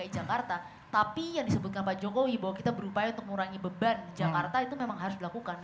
jadi kita harus memindahkan ibu kota tapi yang disebutkan pak jokowi bahwa kita berupaya untuk mengurangi beban jakarta itu memang harus dilakukan